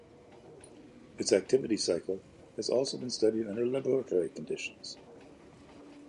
Its activity cycle has also been studied under laboratory conditions.